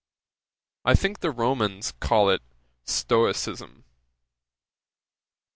] 'I think the Romans call it Stoicism.'